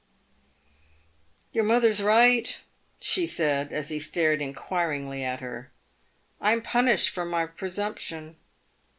"Your mother is right," she said, as he stared inquiringly at her; " I am punished for my presumption."